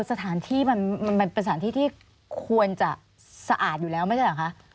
สถานที่มันเป็นสถานที่ที่ควรจะสะอาดอยู่แล้วไม่ใช่เหรอคะ